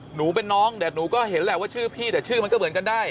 หนูเป็นน้องแต่หนูก็เห็นแหละว่าชื่อพี่แต่ชื่อมันก็เหมือนกันได้